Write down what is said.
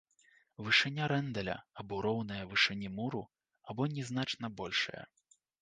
Вышыня рандэля або роўная вышыні муру, або нязначна большая.